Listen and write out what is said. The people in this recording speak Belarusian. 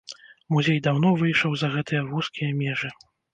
Музей даўно выйшаў за гэтыя вузкія межы.